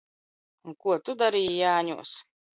Un ko tu darīji Jāņos?